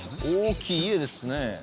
大きい家ですね。